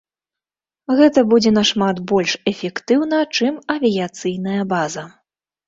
Гэта будзе нашмат больш эфектыўна, чым авіяцыйная база.